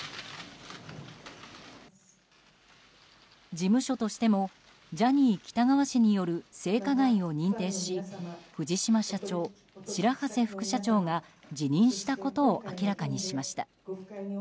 事務所としてもジャニー喜多川氏による性加害を認定し藤島社長、白波瀬副社長が辞任したことを明らかにしました。